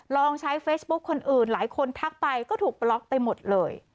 ลองใช้เฟซบุ๊คคนอื่นหลายคนทักไปก็ถูกปล็อกไปหมดเลย